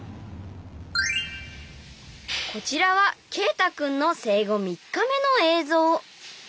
こちらはケイタ君の生後３日目の映像。